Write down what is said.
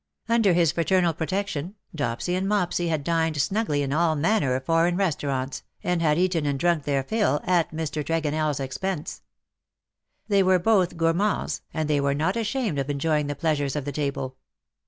Under his fraternal protection, Dopsy and Mopsy had dined snugly in all manner of foreign restaurants, and had eaten and drunk their fill at Mr. Tregonell's expense. They were both gourmands, and they were not ashamed of enjoying the pleasures of the table.